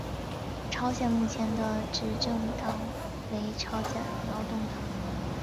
朝鲜目前的执政党为朝鲜劳动党。